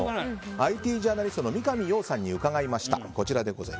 ＩＴジャーナリストの三上洋氏に伺いました。